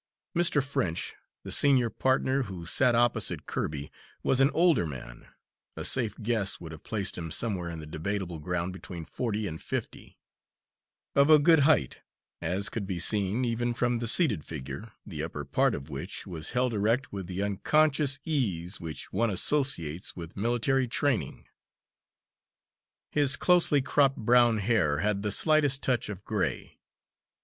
Mr. French, the senior partner, who sat opposite Kirby, was an older man a safe guess would have placed him somewhere in the debatable ground between forty and fifty; of a good height, as could be seen even from the seated figure, the upper part of which was held erect with the unconscious ease which one associates with military training. His closely cropped brown hair had the slightest touch of gray.